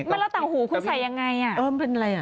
แต่ละต่างหูคุณใส่อย่างไรอะเหรอเป็นอะไรอะ